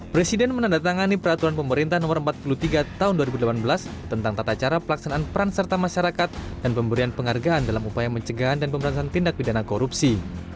presiden menandatangani peraturan pemerintah no empat puluh tiga tahun dua ribu delapan belas tentang tata cara pelaksanaan peran serta masyarakat dan pemberian penghargaan dalam upaya pencegahan dan pemberantasan tindak pidana korupsi